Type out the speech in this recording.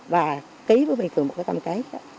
và ký với bên phường một cái tâm kế